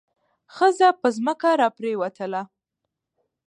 ښځه په ځمکه را پریوتله.